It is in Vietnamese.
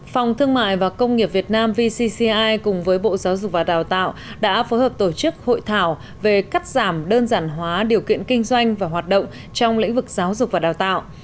phòng thương mại và công nghiệp việt nam vcci cùng với bộ giáo dục và đào tạo đã phối hợp tổ chức hội thảo về cắt giảm đơn giản hóa điều kiện kinh doanh và hoạt động trong lĩnh vực giáo dục và đào tạo